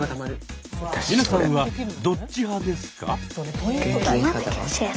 皆さんはどっち派ですか？